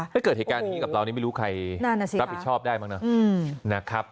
ถ้าเกิดเหตุการณ์อย่างนี้กับเรานี่ไม่รู้ใครรับผิดชอบได้บ้างนะ